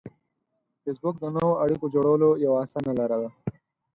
فېسبوک د نوو اړیکو جوړولو یوه اسانه لار ده